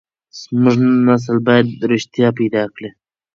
زموږ نسل بايد رښتيا پيدا کړي.